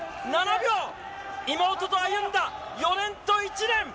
妹と歩んだ４年と１年。